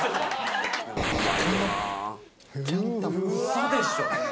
嘘でしょ。